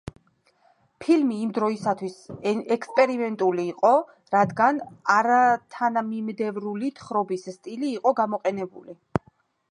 ფილმი იმ დროისთვის ექსპერიმენტული იყო, რადგან არათანმიმდევრული თხრობის სტილი იყო გამოყენებული.